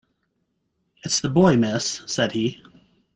"It's the boy, miss," said he.